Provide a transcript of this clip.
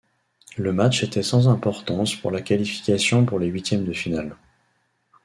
Le match était sans importance pour la qualification pour les huitièmes de finale.